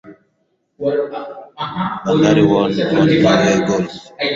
Bandari won on away goals.